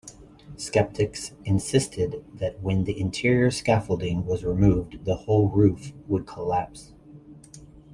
Skeptics insisted that when the interior scaffolding was removed, the whole roof would collapse.